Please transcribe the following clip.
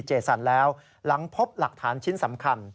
หลังพบหลักฐานชิ้นสำคัญ